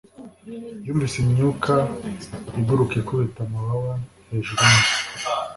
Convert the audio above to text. yumvise imyuka iguruka ikubita amababa hejuru yinzu